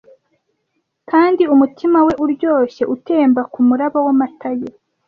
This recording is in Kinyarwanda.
kandi umutima we uryoshye utemba kumuraba wamata ye